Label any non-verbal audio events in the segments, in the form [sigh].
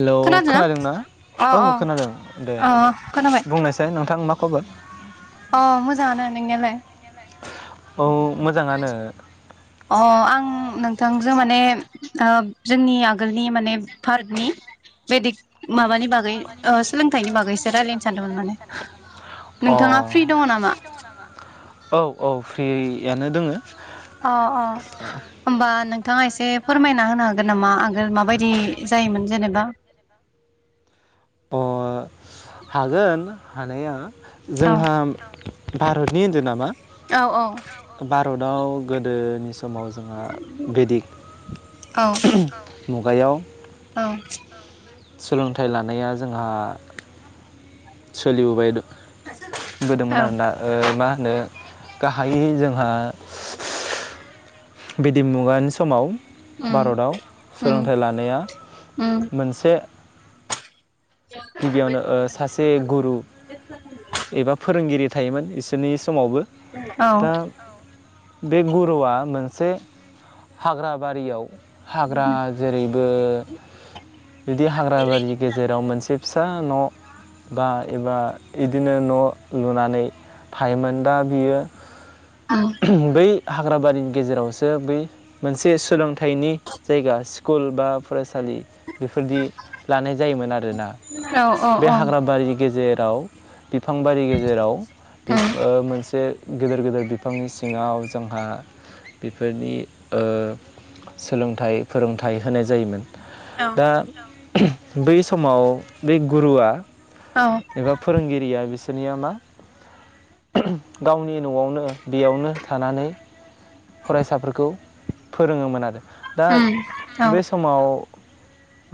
Hello खोनादोंना अ औ अ खोनादों दे अ खोनाबाय बुंनायसै नोंथां मा खबर नोंनिआ लाय औ मोजाङानो अ आं नोंथांजों माने ओ जोंनि आगोलनि माने भारतनि बेदिख माबानि बागै ओ बागैसो सोलोंथाइनि रायलायनो बागैसो सानदोंमोन माने रायलायनो सादों अ फ्रि दङ नोंथाङा नामा? फ्रि दङ नामा? औ औ फ्रियानो दोङो अ अ होम्बा नों थाङा एसे फोरमायना होनो हागोन नामा आगोल माबायदि जायोमोन जेनेबा अ हागोन हानाया औ जोंहा भारतनि होन्दों नामा औ औ भारताव गोदोनि समाव जोंहा बिदिक औ [unintelligible] औ [unintelligible] औ सोलोंथाइ लानाया जोंहा सोलिबोबाय दं बोदोंमोन औ आरोना ओ मा नो गाहायै जोंहा बिदि मुगानि समाव उम भारताव उम सोलोंथाइ लानाया उम मोनसे गिबियावनो ओ सासे गुरु एबा फोरोंगिरि थायोमोन तनिस समावबो औ दा बे गुरुआ मोनसे हाग्रा बारियाव हाग्रा जेरैबो बिदि हाग्रा बारि गेजेराव मोनसे फिसा न बा एबा बिदिनो न लुनानै थायोमोन दा बियो उम [unintelligible] बेै हाग्राबारिनि गेजेरावसो बै मोनसे सोलोंथाइनि जायगा स्कुल बा फरायसालि बेफोरदि लानाय जायोमोन आरोना औ औ बे औ हाग्राबारि गेजेराव बे बिफांबारि गेजेराव उम ओ मोनसे गेदेर गेदेर बिफांनि सिङाव जोंहा बेफोरनि ओ सोलोंथाइ फोरोंथाइ होनाय जायोमोन। औ दा बै समाव बे गुरुआ औ एबा फोरोंगिरिया बेसे बिनिया मा गावनि नआवनो बेयावनो थानानै फरायसाफोरखौ फोरोङोमोन आरो। दा उम औ बे समाव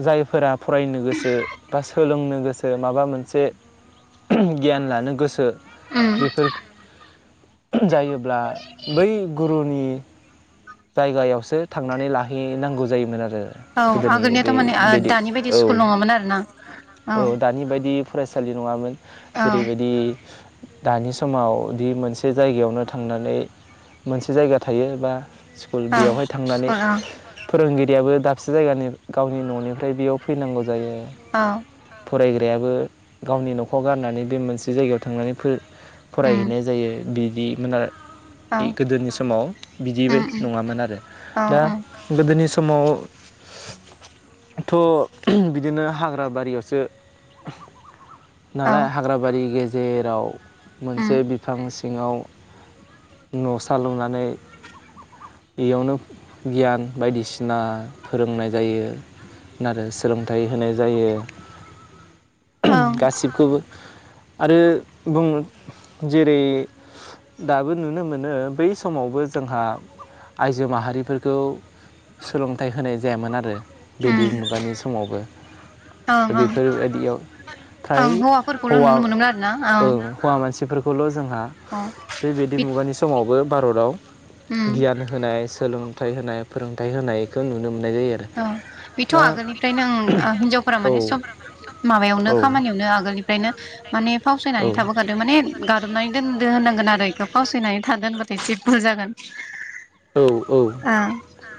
जायफोरा फरायनो गोसो बा सोलोंनो गोसो माबा मोनसे गियान लानो गोसो उम बेफोर जायोब्ला बै गुरुनि जायगायावसो थांनानै लाहैनांगौ जायोमोन आरो। औ गोदोनि आगोलनियाथ बे माने बेदि दानि बायदि औ स्कुल नङामोन आरो ना औ दानि बायदि फरायसालि नङामोन। औ जेरैबायदि दानि समाव दि मोनसे जायगायावनो थांनानै मोनसे जायगा थायो बा स्कुल औ बेयावहाय थांनानै स्कुल औ फोरोंगिरियाबो दाबसे जायगानि गावनि ननिफ्राय बेयाव फैनांगौ जायो। औ बेयाबो गावनि नखर गारनानै बे मोनसे जायगायाव थांनानै फोरों उम फरायहैनाय जायो बि बिदि मोन आरो। औ गोदोनि समाव बिदिबाय उम उम नङामोन आरो औ दा औ गोदोनि सम समाव थ' बिदिनो हाग्रा बारियावसो औ नालाय हाग्राबारि गेजेराव उम मोनसे बिफां सि सिङाव न'सा लुनानै इयावनो गियान बायदिसिना फोरोंनाय जायो आरो सोलोंथाइ होनाय जायो। ओं गासिबखौबो आरो बुङो जेरै दाबो नुनो मोनो बै समावबो जोंहा आइजो माहारिफोरखौ सोलोंथाइ होनाय जायामोन आरो उम बेदिग मुगानि समावबो ओं ओं बेफोरबायदियाव फ्राय ओं हौवाफोरखौल' हौवा नुनो मोनोमोन आरोना ओ ओं हौवा मानसि बेफोरखौल' जोंहा अ बे बेदि बिद मुगानि समावबो भारताव उम गियान होनाय सोलोंथाइ होनाय फोरोंथायाइ होनायखो नुनो मो ओं बेथ आगोलनिफ्रायनो ओं हिनजावफोरा माने सब माबायावनो खामानियावनो आगोलनिफ्रायनो माने फावसायनानै थाबोखादों माने गादबनानै दोन दो होनांगोन आरो इखौ फावसायनानै थादों होनबाथाय एसे बुल जागोन । ओउ ओउ।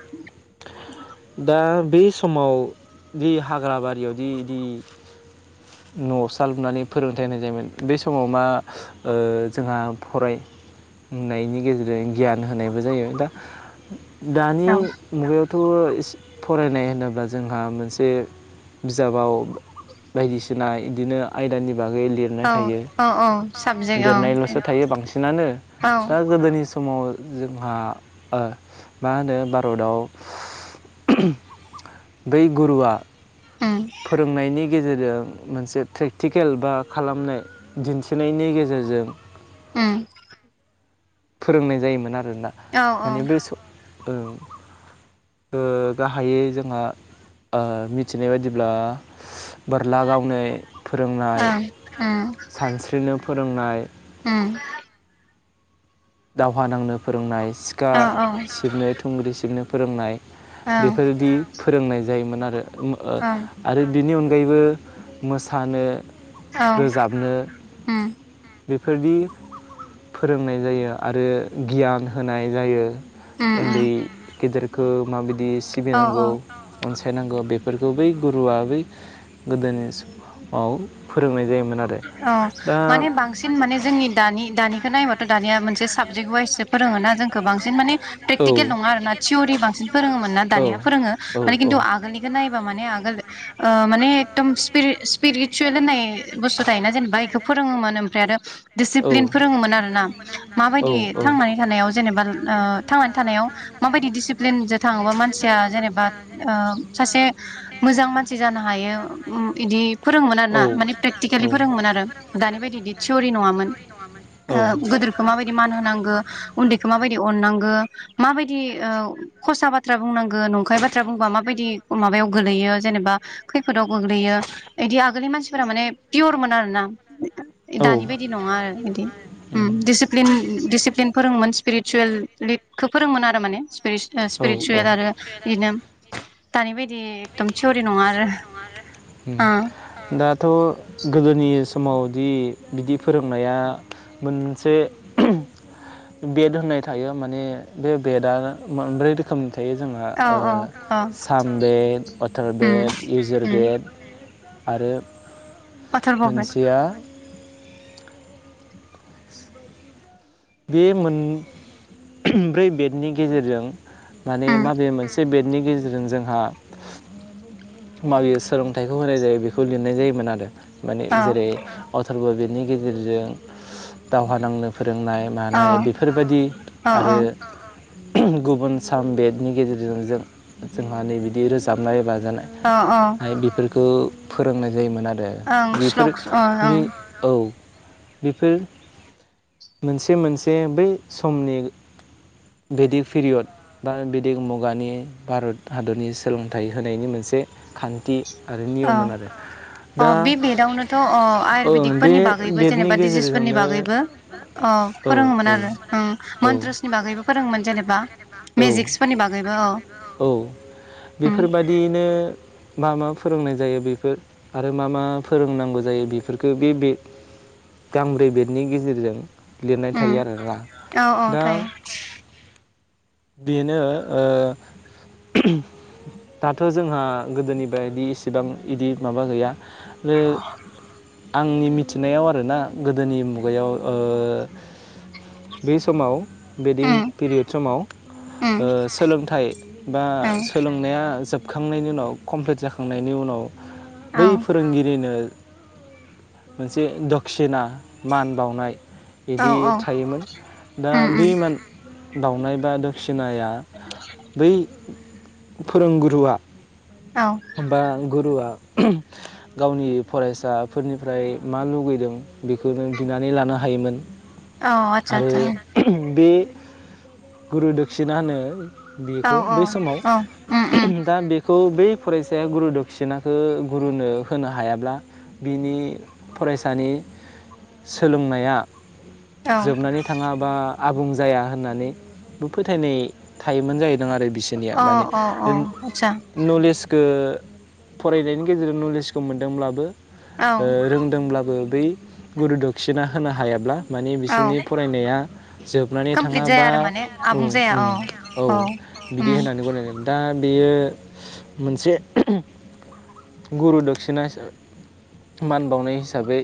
[inaudible] दा बे समाव जि हाग्रा बारियावदि इदि नसा लुनानै फोरोंथायाइ होनाय जायोमोन बे समाव मा ओ जोंहा फरायनायनि गेजेरजों गियान होनायबो जायो दा दानि औ मुगायाव थ इसे फरायनाय होनोब्ला जोंहा मोनसे बिजाबाव बायदिसि सिना इदिनो आयदानि बागै लिरनाय औ थायो। औ औ साबजेक्ट औ लिरनायलसो थायो बांसिनानो औ दा गोदोनि स समाव जोंहा ओ मा होनो भारताव बै गुरुवा उम फोरोंनायनि गेजेरजों मोनसे प्रेक्टिकेल बा खालामनो दिन्थिनायनि गेजेरजों उम। फोरोंनाय जायोमोन आरो ओंना औ औ माने बे स ओउ ओ गाहायै जोंहा ओ मिथिनाय बायदिब्ला बोरला गावनाय फोरोंनाय ओं उम सानस्रिनो फोरोंनाय उम। दावहा नांनो फोरोंनाय सिखा औ औ सिबनो थुंग्रि सिबनो फोरोंनाय औ बेफोरदि फोरोंनायायो जायोमोन आरो औ आरो बेनि अनगायैबो मोसानो औ रोजाबनो उम बेफोरदि फोरोंनाय जायो आरो गियान होनाय जायो उम ओनदै उम गेदेर [unintelligible] बियो औ सिबिनांगौ औ अनसायनांगौ बे बेफोरखौ बै गुरुवआ बै गोदोनि समाव फोरोंनाय जायोमोन आरो औ दा माने बांसिन माने जोंनि दानि दानि बेखौ नायोबाथ दानिया मोन साबजेक्ट वाइसो फोरोङोना जोंखौ बांसिन माने प्रेकटिकेल माने नङा आर ना थियरि बांसिन फोरोङोमोन ना दानिया फोरोङो माने खिन्थु आगोलनिखौ नायोबा माने आगोल ओ माने एदम सिफि-सिफिरिसुयेल होननाय बुस्थु थायोना जेनेबा बेखौ फोरोङोमोन ओमफ्राय आरो दिडसिप्लिन फोरोङोमोन आरोना माबायदि थांनानै थानायाव जेनेबा ओ थांनानै थानायाव माबायदि दिडसिप्लिनजों थाङोबा मानसिया जेनेबा ओ सासे मोजां मानसि जानो हायो उम इदि फोरोङोमोन आर ना माने प्रेकटिकेलि फोरोंङोमोन आरो दानि बायदि इदि थिउरि नङा मामोन ओ नङामोन गोदोरखौ माबायदि मान होनांगौ उन्दैखौ माबायदि अननांगो, माबायदि ओऔ हसा बाथ्रा बुंनांगोन नंखाय बाथ्रा बुंबा माबायदि माबायाव गोग्लैयो जेनेबा खैफोदाव गोग्लैयो एदि आगोलनि मानसिफोरा माने फियर मोन आरोना, औ दानि बायदि नङा आरो यिदि दिसिप्लिन उम दिसिप्लिन दिसिप्लिन फोरोंङोमोन रिसुयेल लिडखौ फोरोंङोमोन आरो माने रिस -स्पिरिथुवेल आरो यिदिनो दानि बे औ दाथ गोदोनि समावदि बिदि फोरोंनाया मोनसे बेट होननाय थायो माने बे बेदा मोनब्रै रोखोमनि थायो जोंहा ओ औ औ सामबेद अथार बेड, इजार बेड आरो अथरबावबाय मोनसेया बे मोन-ब्रै बेटनि गेजेरजों माने माबे मोनसे बेटनि गेजेरजों जोंहा माबे सोलोंथाइखौ होनाय जायो बेखौ लिरनाय जायोमोन आरो माने औ जेरै अथरब बेड, नि गेजेरजों दावहा नांनो फोरोंनाय औ मानाय बेफोरबायदि आरो औ गुबुन साम बेदनि गेजेरजों जों-जोंहा नै बिदि रोजाबनाय बाजानाय औ औ आरो बेफोरखौ फोरोंनाय जायोमोन आ दे ओं बेफोर स्लक्स अ ओं दि औ बेफोर मोनसे मोनसे बै समनि बेदिक पिरियद बा बेदिक मुगानि भारत हादरनि सोलोंथाइ होनायनि मोनसे खान्थि आरो औ नियममोन आरो अ दा बे बेदआवनोथ' अ ओं बे आयुरवेदिकफोरनि बागैबो बेटनि जेनेबा डिजिसफोरनि गेजेरजोंनो बागैबो अ औ फोरोङोमोन औ आरो औ मन्त्रसनि बागैबो फोरोङोमोन जेनेब बा औ औ उम बेफोरबादियैनो मा मा फोरोंनाय जायो बेफोर आरो मा मा फोरोंनांगौ जायो बेफोरफोरखो बे बे गांब्रै बेदनि गेजेरजों लिरनाय उम थायो आरोरा औ औ दा थायो बेनो ओ दाथ' जोंहा गोदोनि बादि इसेबां इदि माबा गैया। ओ आंनि मिथिनायाव आरोना गोदोनि मुगायाव ओ बे समाव वेडिं उम पिरियड समाव उम ओ सोलोंथाइ बा औ सोलोंनाया जोबखांनायनि उनाव कमप्लिट जाखांनायनि उनाव औ बै फोरोंगिरिनो मोनसे दक्षिना मान बावनाय औ बिदि औ थायोमोन दा उम बे उम मान बाउनाय बा दक्षिनाया बै फोरोंगुरुआ औ बा गुरुवा गावनि फरायसाफोरनिफ्राय मा लुगैदों बेखौ नों बिनानै लानो हायोमोन। औ आतसा आरो आतसा बे गुरुदक्षिना होनो। औ बेखौ औ बै समाव औ उम उम दा बेखौ बै फरायसाया गुरु दक्षिनाखो गुरुनो होनो हायाब्ला बिनि फरायसानि सोलोंनाया औ जोबनानै थाङा बा आबुं जाया होननानै बो फोथायनाय थायोमोन जाहै आरो बिसोरनिया अ माने अ आतसा नलेज ओ फरायनायनि गेजेरजों नलेजखौ मोनदोंब्लाबो ओ औ रोंदोंब्लाबो बै गुरुदक्षिना होनो हायाब्ला माने औ बिसोरनि फरायनाया जोबनानै कमप्लिट जाया थाङाबा आरो माने उम आबुं जाया उम‌ औ औ बिदि उम होननानै दा बेयो मोनसे गुरुदक्षिना हिसाबै मान बावनाय हिसाबै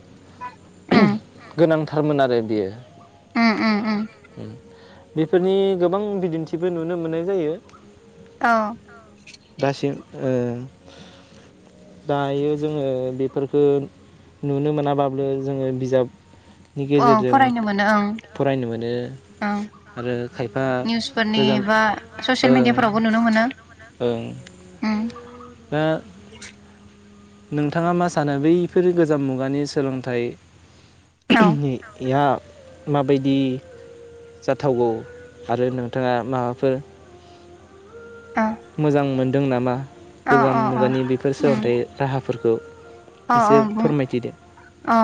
उम गोनांथा थारमोन आरो बियो। उम उम उम बेफोरनि गोबां बिदिन्थिफोर नुनो मोननाय जायो। औ दासिम ओ दायो जोङो बेफोरफोरखो नुनो मोनाबाब्लो जोङो बिजाब अ फरायनो मोनो ओं फरायनो मोनो ओं आरो खायफा निउसफोरनि गोजाम बा ससियेल ओं मेडियाफोरावबो नुनो मोनो ओं उम। दा नोंथाङा मा सानो बैफोर गोजाम मुगानि सोलोंथाइ औ [unintelligible] नि या माबायदि जाथावगौ आरो नोंथाङा माबाफोर अ मोजां मोनदों नामा? अ गोजाम अ मुगानि बेफोर उम सोलोंथाइ राहा फोरखौ अ अ ओं अ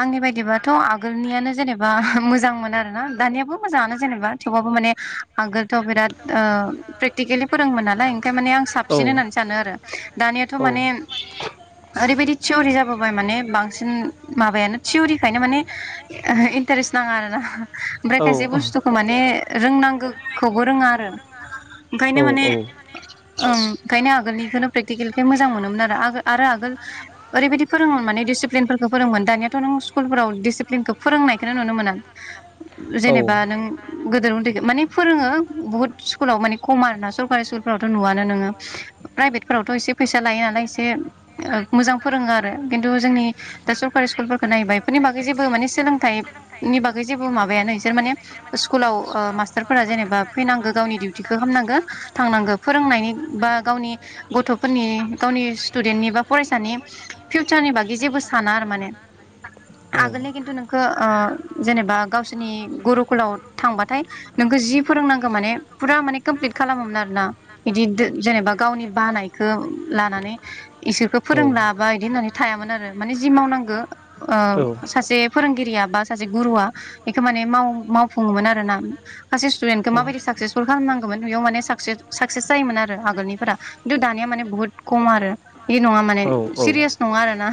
आंनि बायदिबाथ आगोलनियानो जेनेबा मोजांमोन आरोना दानियाबो मोजाङानो जेनेबा थेवबाबो माने आगोलथ बिराद ओ प्रेकटिकेलि फोरोंङोमोन नालाय। खाय माने आं साबसिन होननानै सानो आरो दानियाथ माने ओरैबायदि थियरि जाबोबाय माने बांसिन माबायानो थिवरिखायनो माने ओ इन्टारेस्ट नाङा आरोना ओमफाय औ खायसे बुस्थुखौ माने रोंनांगो। खौबो रोङा आरो ओंखायनो माने औ ओं ओंखायनो आगोलनिखौनो प्रेटिकेलनिखाय मोजां मोनोमोन आरो आगो आरो आगोल ओरैबायादि फोरोङोमोन माने दिसिप्लेनफोरखौ फोरोङोमोन दानियाथ नों स्कुलफोराव दिसिप्लेनखौ फोरोंनायखौनो नुनो मोना। औ जेनेबा नों गोदोर उन्दैदो माने फोरोङो बुहुद स्कुलाव माने खम आरोना सरकारि स्कुलफ्रावथ नुवानो नोङो प्राइभेटफोरावथ इसे फैसा लायो नालाय इसे ओ मोजां फोरोङो आरो किन्थु जोंनि दा सरकारि स्कुलफोरखौ नायोबा इफोरनि बागै जेबो माने सोलोंथाइनि बागै जेबो माबायानो इसोर माने स्कुलाव ओ मास्टारफोरा जेनेबा फैनांगो गावनि दिउथिखौ खामनांगो थांनांगो फोरोंनायनि बा गावनि गथफोरनि गावनि स्टुदेन्टनि बा फरायसानि फिउचारनि बागै जेबो साना आरो माने नों औ आगोलनिया खिन्थु ओ नोंखो ओ जेनेबा गावसोरनि गुरुकुलाव थांबाथाय नोंखो जि फोरोंनांगो माने फुरा माने कोमप्लिट खालामोमोन आरोना बिदिद जेनेबा गावनि बानायखो लानानै इसोरखो औ फोरोंला बा इदि होननानै थायामोन आरो माने जि मावनांगो ओ गिबियावनो औ सासे फोरोंगिरिया बा सासे गुरुआ बेखो माने माव-मावफुङोमोन आरोना सासे स्टुडेन्टखो माबायदि साकसेसफुल खालामनांगोमोन बेयाव माने साकसे साकसेस जायोमोन आरो आगोलनिफोरा खिन्थु दानिया माने बुहुत खम आरो बे नङा मान ने जायोमोन आरो माबानिफोरा खिन्थु दानिया माने बुहुत खम सिरियास नङा आरोना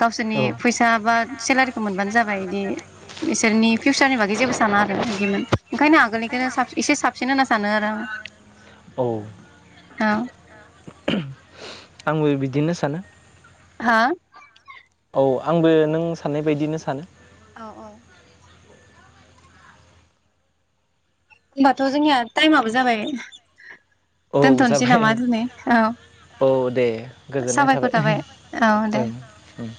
गावसोरनि आरो औ फैसा बा सेलारिखौ मोनबानो जाबाय इदि इसोरनि फिउसारनि बागै जेबो साना आरो इदिमोन ओंखायनो आगोलनिखोनो साब इसे साबसिन होनना सानो आरो औ आं हो आंबो बिदिनो सानो। हा औ आंबो नों साननाय बायदिनो सानो। औ औ होमबाथ जोंनिया टाइमाबो जाबाय। औ दोनथनोसै जाबाय नामा दिनै औ साबायखर थाबाय औ दे ओं ओं